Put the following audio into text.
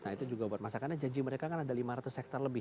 nah itu juga buat masakannya janji mereka kan ada lima ratus hektar lebih